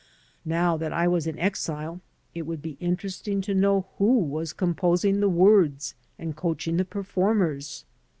Now that I was in exile, it would be interesting to know who was composing the words and coaching the performers.